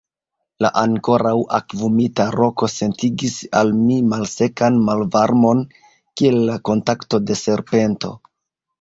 La ankoraŭ akvumita roko sentigis al mi malsekan malvarmon, kiel la kontakto de serpento.